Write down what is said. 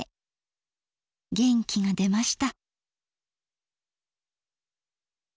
元気が出ました。